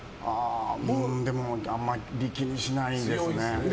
でも、あんまり気にしないですね。